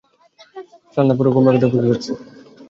চল না, পুরো কামাঠিপুরা অপেক্ষা করছে তোর জন্য নিচে, ক্যাফেতে।